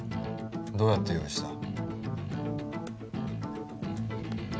どうやって用意した？